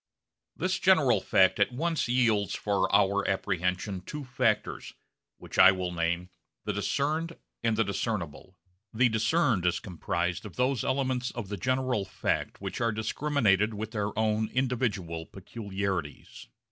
This general fact at once yields for our apprehension two factors, which I will name, the 'discerned' and the 'discernible.' The discerned is comprised of those elements of the general fact which are discriminated with their own individual peculiarities.